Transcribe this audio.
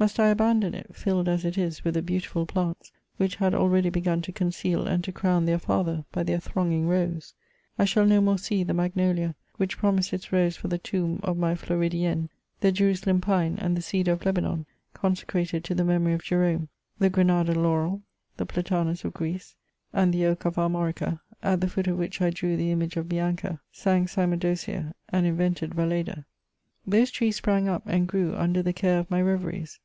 Must I abandon it, filled as it is with the beautiftd plants, which had already begun to conceal and to crown their father by their thronging rows. I shall no more see the magnoHa, which promised its rose for the tomb of my Floridienne, the Jerusalem pine and the cedar of Lebanon, consecrated to the memory of Jerome, the Grenada laurel, the platanus of Greece, and the oak of Armorica, at the foot of which I drew the image of Bianca, sang Cymodocea, and invented VaUeda. Those trees sprang up, and grew under the care of my reveries.